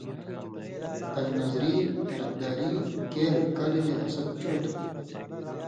تن٘گ نظری، طرفداری، کئیل/کلیۡ تے حسد چو تُھو